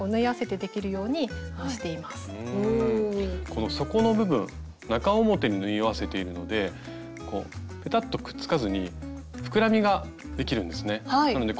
この底の部分中表に縫い合わせているのでペタッとくっつかずに膨らみができるんですね。